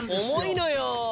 重いのよ。